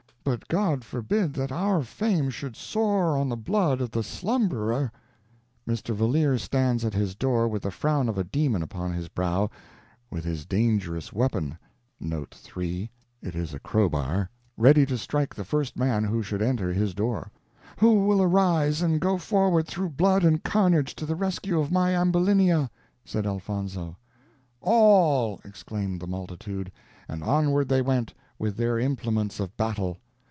But God forbid that our fame should soar on the blood of the slumberer." Mr. Valeer stands at his door with the frown of a demon upon his brow, with his dangerous weapon (3) ready to strike the first man who should enter his door. "Who will arise and go forward through blood and carnage to the rescue of my Ambulinia?" said Elfonzo. "All," exclaimed the multitude; and onward they went, with their implements of battle.